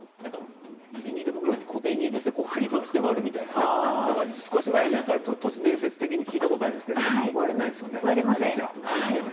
ビニール袋に小銭を入れて振り回して割れるって都市伝説的に聞いたことがあるんですが割れないですよね。